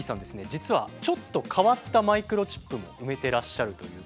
実はちょっと変わったマイクロチップも埋めてらっしゃるということで。